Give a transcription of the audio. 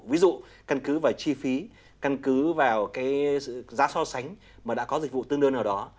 ví dụ căn cứ vào chi phí căn cứ vào giá so sánh mà đã có dịch vụ tương đơn nào đó